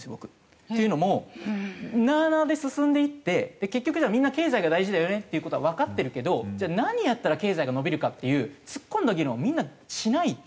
っていうのもなあなあで進んでいって結局みんな経済が大事だよねっていう事はわかってるけどじゃあ何やったら経済が伸びるかっていう突っ込んだ議論はみんなしないと。